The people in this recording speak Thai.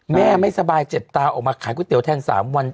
แม่ไม่สบายเจ็บตาออกมาขายก๋วเตี๋ยแทน๓วัน